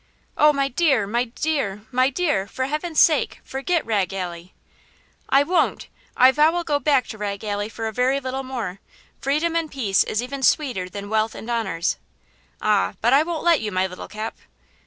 "Oh, my dear! my dear! my dear! for heaven's sake forget Rag Alley?" "I won't! I vow I'll go back to Rag Alley for a very little more. Freedom and peace is even sweeter than wealth and honors." "Ah, but I won't let you, my little Cap."